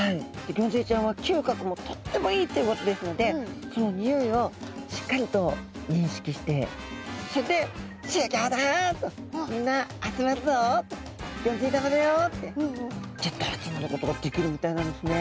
ギョンズイちゃんは嗅覚もとってもいいということですのでそのにおいをしっかりと認識してそれで「集合だ」と「みんな集まるぞ」と「ギョンズイ玉だよ」ってギュッと集まることができるみたいなんですね。